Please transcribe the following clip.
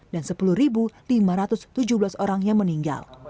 dan sepuluh lima ratus tujuh belas orang yang meninggal